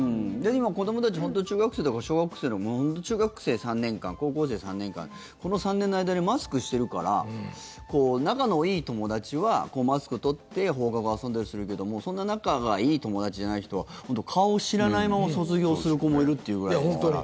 今、子どもたち本当、中学生とか小学生でも中学生３年間、高校生３年間この３年の間にマスクをしているから仲のいい友達はマスク取って放課後遊んだりするけどもそんな仲がいい友達じゃない人は顔を知らないまま卒業する子もいるっていうぐらいですから。